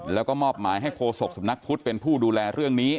แล้วก็มอบหมายให้โคศกสำนักพุทธเป็นผู้ดูแลเรื่องนี้